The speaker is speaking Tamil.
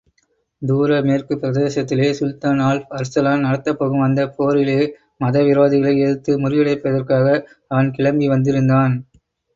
தூரமேற்குப் பிரதேசத்திலே, சுல்தான் ஆல்ப் அர்சலான் நடத்தப்போகும், அந்தப் போரிலே, மதவிரோதிகளை எதிர்த்து முறியடிப்பதற்காக அவன் கிளம்பி வந்திருந்தான்.